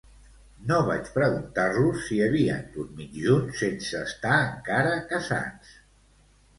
No vaig preguntar-los si havien dormit junts sense estar encara casats.